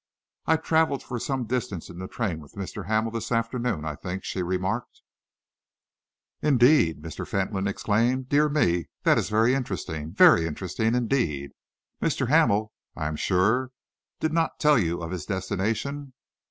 "I travelled for some distance in the train with Mr. Hamel this afternoon, I think," she remarked. "Indeed?" Mr. Fentolin exclaimed. "Dear me, that is very interesting very interesting, indeed! Mr. Hamel, I am sure, did not tell you of his destination?"